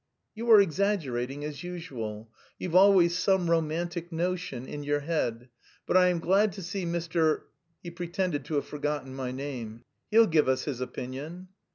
"You are exaggerating as usual. You've always some romantic notion in your head. But I am glad to see Mr...." (He pretended to have forgotten my name.) "He'll give us his opinion."